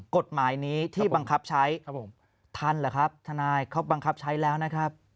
กฎหมายนี้ที่บังคับใช้ครับผมทันหรือครับทนายเขาบังคับใช้แล้วนะครับ